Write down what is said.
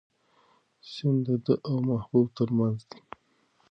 سیند د ده او محبوب تر منځ دی.